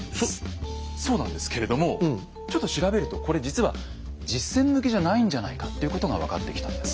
そうなんですけれどもちょっと調べるとこれ実は実戦向きじゃないんじゃないかっていうことが分かってきたんです。